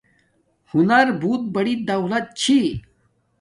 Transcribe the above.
ہنز بوت بری دولت چھی